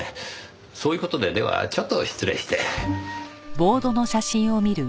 そういう事でではちょっと失礼して。